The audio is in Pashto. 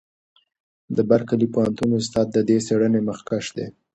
د برکلي پوهنتون استاد د دې څېړنې مخکښ دی.